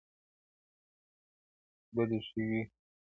تر بدو ښه وي چي کړی نه کار -